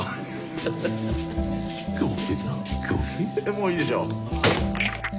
もういいでしょう！